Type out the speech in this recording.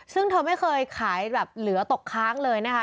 ซึ่งเธอไม่เคยขายแบบเหลือตกค้างเลยนะคะ